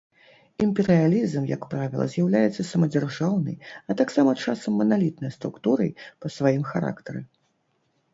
Імперыялізм, як правіла, з'яўляецца самадзяржаўнай, а таксама часам маналітнай структурай па сваім характары.